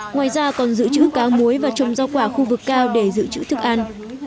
ngoài ra còn giữ chữ cá muối và trồng rau quả khu vực cao để giữ chữ thức ăn